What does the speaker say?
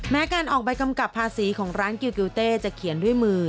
การออกใบกำกับภาษีของร้านกิลกิวเต้จะเขียนด้วยมือ